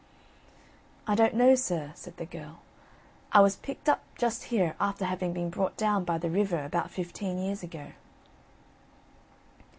"I don't know, sir," said the girl, "I was picked up just here after having been brought down by the river about fifteen years ago."